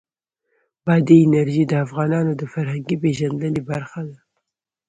بادي انرژي د افغانانو د فرهنګي پیژندنې برخه ده.